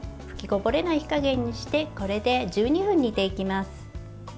吹きこぼれない火加減にしてこれで１２分煮ていきます。